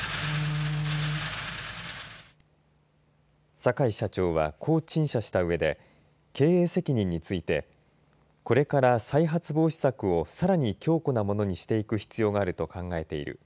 坂井社長はこう陳謝したうえで経営責任についてこれから再発防止策をさらに強固なものにしていく必要があると考えている。